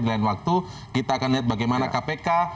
di lain waktu kita akan lihat bagaimana kpk